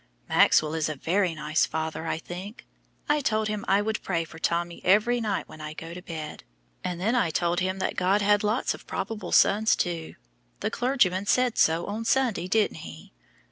Maxwell is a very nice father, I think. I told him I would pray for Tommy every night when I go to bed, and then I told him that God had lots of probable sons, too the clergyman said so on Sunday, didn't he?